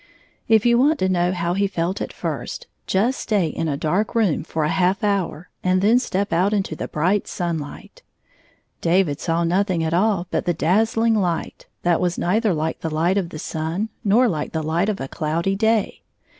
If you want to know how he felt at first, just stay in a dark room for a half hour, and then step out into the bright sunhght. David saw nothing at all but the dazzling light, that was neither like the light of the sun nor hke the light of a cloudy day.